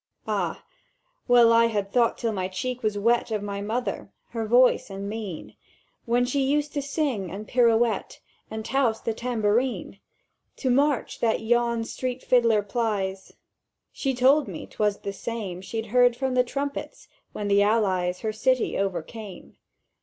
— —"Ah! ... Well, I had thought till my cheek was wet Of my mother—her voice and mien When she used to sing and pirouette, And touse the tambourine "To the march that yon street fiddler plies: She told me 'twas the same She'd heard from the trumpets, when the Allies Her city overcame.